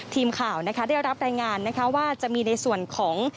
ทีมข่าวได้รับรายงานว่าจะมีในส่วนของ